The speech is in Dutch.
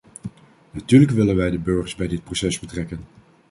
Natuurlijk willen wij de burgers bij dit proces betrekken.